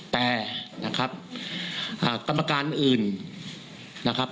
แต่นะครับกรรมการอื่นนะครับ